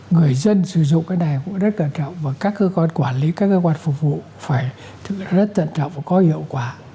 người dân sử dụng cái này cũng rất cẩn trọng và các cơ quan quản lý các cơ quan phục vụ phải rất tận trọng và có hiệu quả